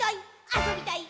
あそびたい！